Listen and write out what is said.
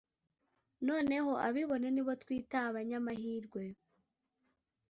Noneho abibone ni bo twita abanyamahirwe